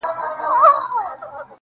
نه ښېرا نه کوم هغه څومره نازک زړه لري,